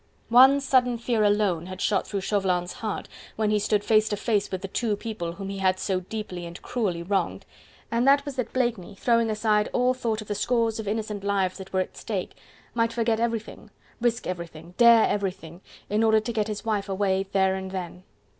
One sudden fear alone had shot through Chauvelin's heart when he stood face to face with the two people whom he had so deeply and cruelly wronged, and that was that Blakeney, throwing aside all thought of the scores of innocent lives that were at stake, might forget everything, risk everything, dare everything, in order to get his wife away there and then.